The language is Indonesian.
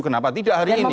kenapa tidak hari ini